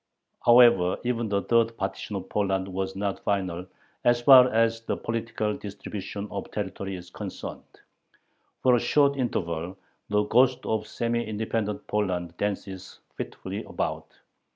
However, even the third partition of Poland was not final as far as the political distribution of territory is concerned. For a short interval the ghost of a semi independent Poland dances fitfully about.